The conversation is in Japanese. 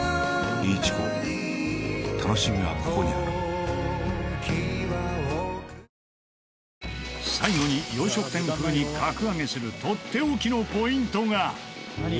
新しくなった最後に洋食店風に格上げするとっておきのポイントが